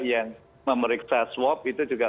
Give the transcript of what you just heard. yang memeriksa swab itu juga